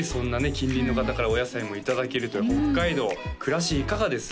近隣の方からお野菜もいただけるという北海道暮らしいかがです？